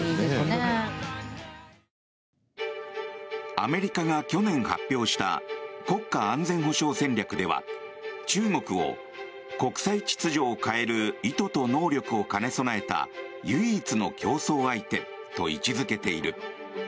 アメリカが去年発表した国家安全保障戦略では中国を、国際秩序を変える意図と能力を兼ね備えた唯一の競争相手と位置付けている。